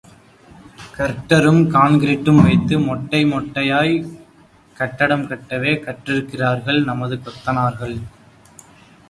கர்டரும் கான்கிரீட்டும் வைத்து மொட்டை மொட்டையாய் கட்டடம் கட்டவே கற்றிருக்கிறார்கள் நமது கொத்தர்கள்.